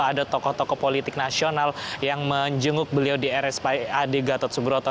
ada tokoh tokoh politik nasional yang menjenguk beliau di rspad gatot subroto